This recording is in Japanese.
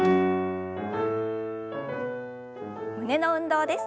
胸の運動です。